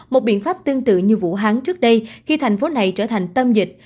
một biện pháp tương tự như vũ hán trước đây khi thành phố này trở thành tâm dịch